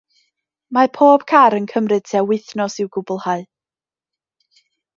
Mae pob car yn cymryd tua wythnos i'w gwblhau.